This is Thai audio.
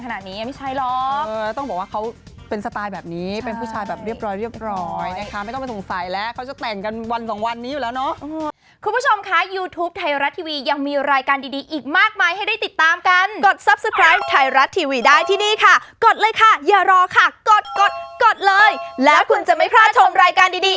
ตกลงใช่ไม่ใช่เออต้องบอกว่าเขาเป็นสไตล์แบบนี้เป็นผู้ชายแบบเรียบร้อยนะคะไม่ต้องไปสงสัยแล้วเขาจะแต่งกันวันสองวันนี้อยู่แล้วเนาะ